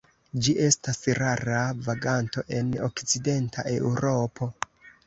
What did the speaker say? Ĝi estas rara vaganto en okcidenta Eŭropo.